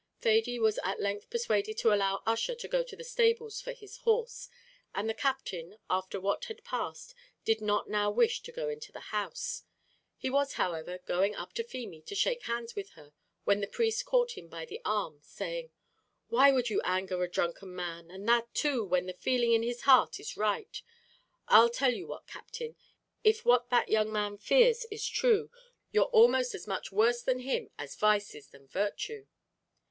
Thady was at length persuaded to allow Ussher to go to the stables for his horse, and the Captain, after what had passed, did not now wish to go into the house. He was, however, going up to Feemy to shake hands with her, when the priest caught him by the arm, saying, "Why would you anger a drunken man, and that too, when the feeling in his heart is right? I'll tell you what, Captain, if what that young man fears is true, you're almost as much worse than him as vice is than virtue."